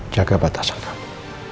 jaga batasan kamu